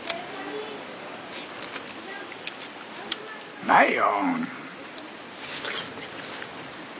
うまいよ！